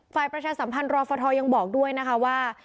ประชาสัมพันธ์รอฟทยังบอกด้วยนะคะว่า